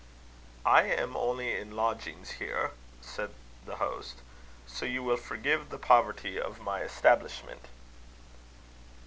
"I am only in lodgings here," said the host; "so you will forgive the poverty of my establishment."